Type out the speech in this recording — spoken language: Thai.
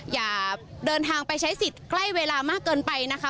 อย่าเดินทางไปใช้สิทธิ์ใกล้เวลามากเกินไปนะคะ